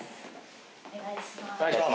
お願いします。